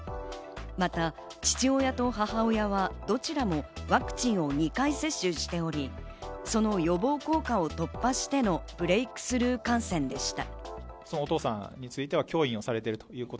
また父親と母親はどちらもワクチンを２回接種しており、その予防効果を突破してのブレイクスルー感染でした。